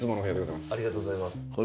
ありがとうございます。